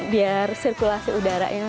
biar sirkulasi udaranya